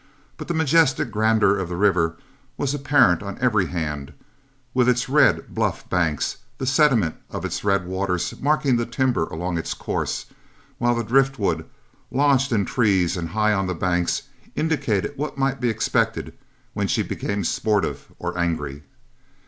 But the majestic grandeur of the river was apparent on every hand, with its red, bluff banks, the sediment of its red waters marking the timber along its course, while the driftwood, lodged in trees and high on the banks, indicated what might be expected when she became sportive or angry.